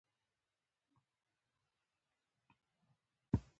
وزرې یې پرانيستې.